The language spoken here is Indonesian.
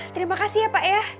terima kasih ya pak ya